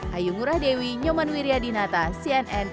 hayung urah dewi nyoman wiryadinata cnn